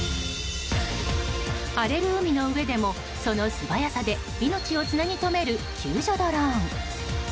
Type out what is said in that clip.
荒れる海の上でも、その素早さで命をつなぎとめる救助ドローン。